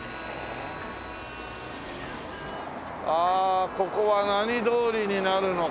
ああここは何通りになるのかな？